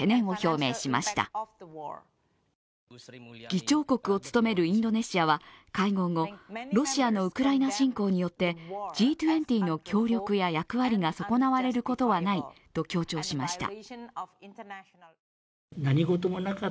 議長国を務めるインドネシアは会合後、ロシアのウクライナ侵攻によってＧ２０の協力や役割が損なわれることはないと強調しました。